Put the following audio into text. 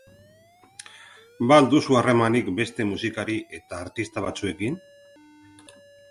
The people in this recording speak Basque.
Ba al duzu harremanik beste musikari eta artista batzuekin?